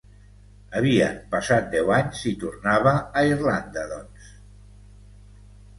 Havien passat deu anys i tornava a Irlanda, doncs.